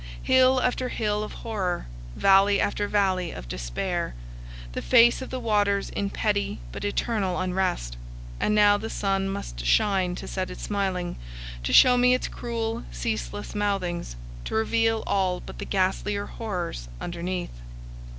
Hill after hill of horror, valley after valley of despair! The face of the waters in petty but eternal unrest; and now the sun must shine to set it smiling, to show me its cruel ceaseless mouthings, to reveal all but the ghastlier horrors underneath.